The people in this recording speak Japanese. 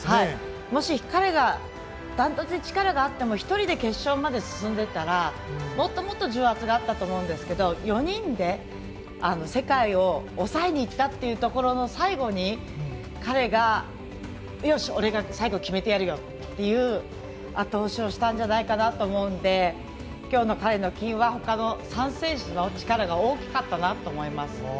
もし、彼がダントツに力があっても１人で決勝まで進んでいたらもっともっと重圧があったと思うんですけど４人で、世界を抑えに行ったというところの最後に彼がよし、俺が最後に決めてやるよという後押しをしたんじゃないかなと思うので今日の彼の結果はほかの３選手の力が大きかったなと思います。